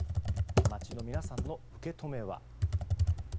街の皆さんの受け止めは。